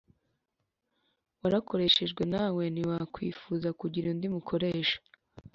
Warakoreshejwe nawe niwakwifuza kugira undi mukoresha